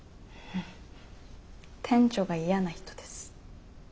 店長が嫌な人です。